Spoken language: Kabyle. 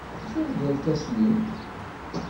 Ufiɣ-d irkasen-iw.